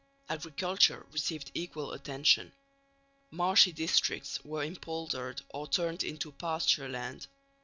Agriculture received equal attention. Marshy districts were impoldered or turned into pasture land.